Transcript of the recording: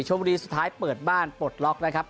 ชมบุรีสุดท้ายเปิดบ้านปลดล็อกนะครับ